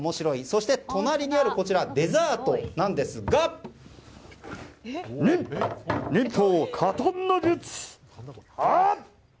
そして隣にあるこちらはデザートなんですが忍法火遁の術！